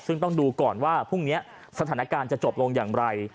ซึ่งต้องดูก่อนว่าพรุ่งนี้สถานการณ์จะจบลงอย่างไร